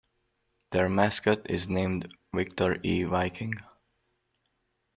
Their mascot is named Victor E. Viking.